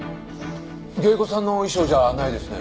芸妓さんの衣装じゃないですね。